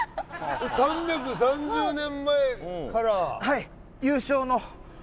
３３０年前から？